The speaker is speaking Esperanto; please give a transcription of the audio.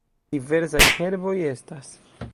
Diversaj herboj estas.